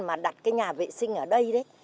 mà đặt cái nhà vệ sinh ở đây đấy